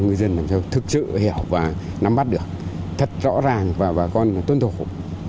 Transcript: ngư dân làm cho thực sự hiểu và nắm bắt được thật rõ ràng và bà con tuân thủ